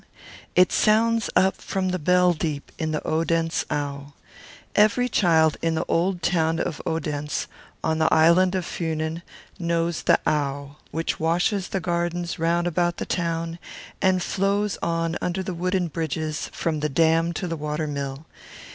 It sounds up from the "bell deep" in the Odense Au. Every child in the old town of Odense, on the island of Funen, knows the Au, which washes the gardens round about the town, and flows on under the wooden bridges from the dam to the water mill.